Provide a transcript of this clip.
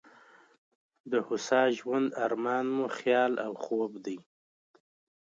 د هوسا ژوند ارمان مو خیال او خوب دی.